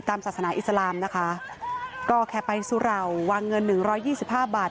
ศาสนาอิสลามนะคะก็แค่ไปสุเหล่าวางเงินหนึ่งร้อยยี่สิบห้าบาท